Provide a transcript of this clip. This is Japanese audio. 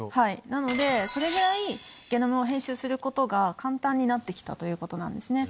なのでそれぐらいゲノムを編集することが簡単になって来たということなんですね。